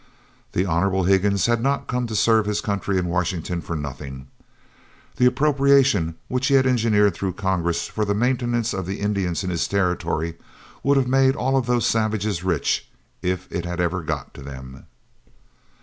The Hon. Higgins had not come to serve his country in Washington for nothing. The appropriation which he had engineered through Congress for the maintenance of the Indians in his Territory would have made all those savages rich if it had ever got to them.